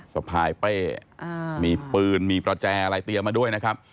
สะพายเป้มีปืนมีประแจอะไรเตรียมมาด้วยนะครับ